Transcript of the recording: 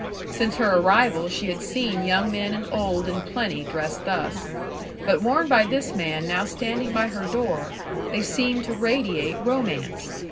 Since her arrival she had seen young men and old in plenty dressed thus. But worn by this man now standing by her door, they seemed to radiate romance.